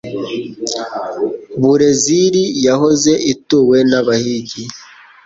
BUREZILI yahoze ituwe n'abahigi,